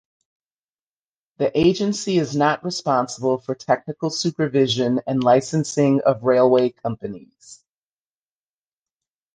The Agency is not responsible for technical supervision and licensing of railway companies.